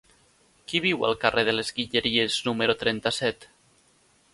Qui viu al carrer de les Guilleries número trenta-set?